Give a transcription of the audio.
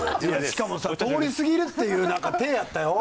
しかもさ通り過ぎるっていう体やったよ。